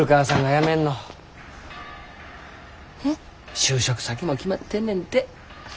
就職先も決まってんねんて。